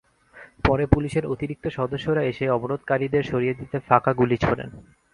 পরে পুলিশের অতিরিক্ত সদস্যরা এসে অবরোধকারীদের সরিয়ে দিতে ফাঁকা গুলি ছোড়েন।